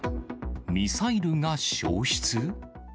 ミサイルが消失？